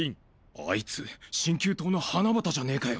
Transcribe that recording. あいつ心求党の花畑じゃねェかよ！